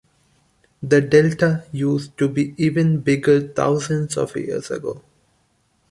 The delta used to be even bigger thousands of years ago.